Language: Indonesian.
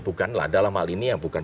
bukan lah dalam hal ini bukan